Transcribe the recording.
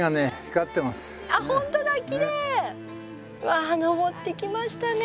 わあ登ってきましたね。